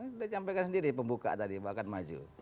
kita sampaikan sendiri pembuka tadi bahkan maju